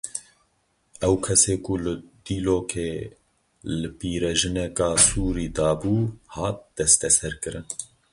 Ew kesê ku li Dîlokê li pîrejineka Sûrî dabû hat desteserkirin.